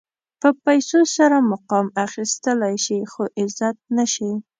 په پیسو سره مقام اخيستلی شې خو عزت نه شې.